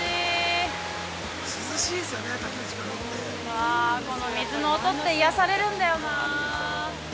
わぁ、この水の音って癒されるんだよな。